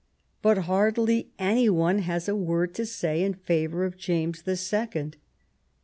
But hardly any one has a word to say in favor of James the Second.